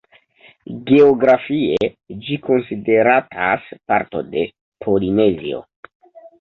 Geografie ĝi konsideratas parto de Polinezio.